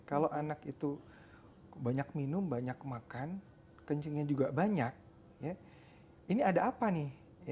kalau anak itu banyak minum banyak makan kencingnya juga banyak ini ada apa nih